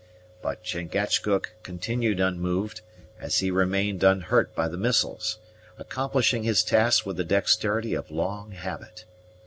But Chingachgook continued unmoved, as he remained unhurt by the missiles, accomplishing his task with the dexterity of long habit.